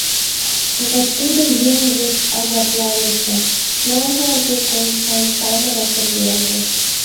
Вот тудо еҥ верч азапланыше, ныжылге койышан самырык рвезе.